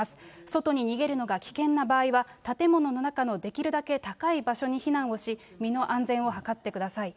外に逃げるのが危険な場合は、建物の中のできるだけ高い場所に避難をし、身の安全を図ってください。